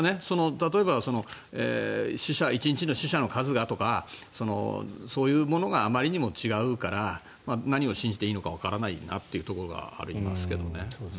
例えば、１日の死者の数だとかそういうものがあまりにも違うから何を信じていいかわからないなというのがありますけどね。